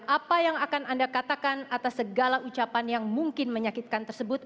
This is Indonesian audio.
apa yang akan anda katakan atas segala ucapan yang mungkin menyakitkan tersebut